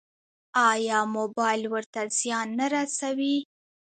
ایا موبایل ورته زیان نه رسوي؟